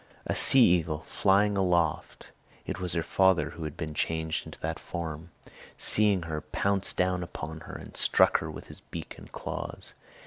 A sea eagle ing aloft, it was her father who had been changed into that form, seeing her, pounced down upon her, and struck her with his beak and claws.